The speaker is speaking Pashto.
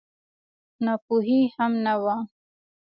ناپوهي هم نه وه.